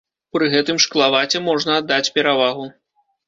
Пры гэтым шклаваце можна аддаць перавагу.